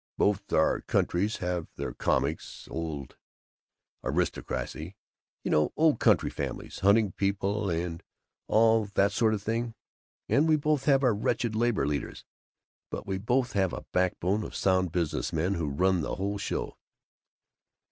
Both our countries have their comic Old Aristocracy you know, old county families, hunting people and all that sort of thing and we both have our wretched labor leaders, but we both have a backbone of sound business men who run the whole show."